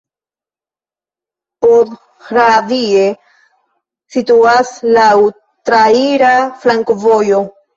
Podhradie situas laŭ traira flankovojo.